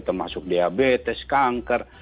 termasuk diabetes kanker